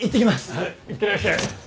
はいいってらっしゃい。